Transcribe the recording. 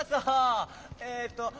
えっと